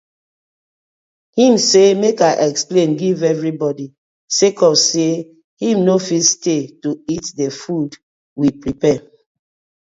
Im say mek I explain giv everi bodi sake of say im no fit stay to eat the food we prapare.